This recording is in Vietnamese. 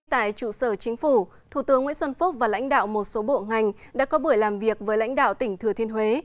tại trụ sở chính phủ thủ tướng nguyễn xuân phúc và lãnh đạo một số bộ ngành đã có buổi làm việc với lãnh đạo tỉnh thừa thiên huế